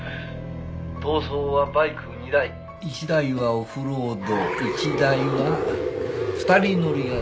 逃走はバイク２台」１台はオフロード１台は２人乗りが出来るやつ。